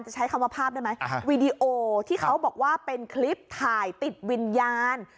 ใช้คำว่าภาพได้ไหมวีดีโอที่เขาบอกว่าเป็นคลิปถ่ายติดวิญญาณ